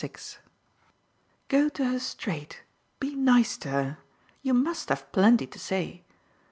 VI "Go to her straight be nice to her: you must have plenty to say.